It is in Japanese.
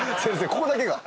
ここだけが。